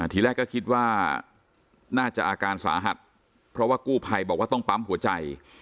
ทีแรกก็คิดว่าน่าจะอาการสาหัสเพราะว่ากู้ภัยบอกว่าต้องปั๊มหัวใจ